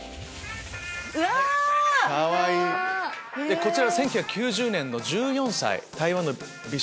こちらは１９９０年の１４歳。